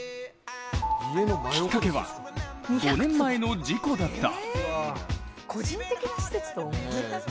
きっかけは、５年前の事故だった。